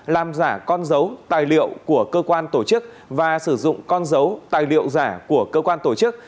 làm giả con dấu tài liệu của cơ quan tổ chức và sử dụng con dấu tài liệu giả của cơ quan tổ chức